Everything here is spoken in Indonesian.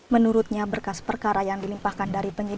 menurutnya berkas perkara yang dilimpahkan dari penyidik